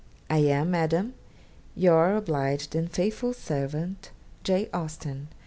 'I am, Madam, 'Your obliged and faithful Servt. 'J. AUSTEN.'